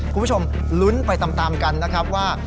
คุณผู้ชมลุ้นไปตามกันนะครับว่า